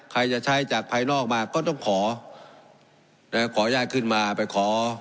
ใครจะใช้จากภายนอกมาก็ต้องขอนะขออนุญาตขึ้นมาไปขอ